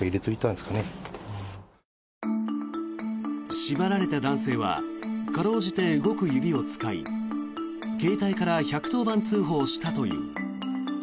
縛られた男性は辛うじて動く指を使い携帯から１１０番通報したという。